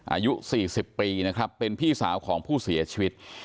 อายุ๔๐ปีนะครับเป็นพี่สาวของผู้เสียชีวิต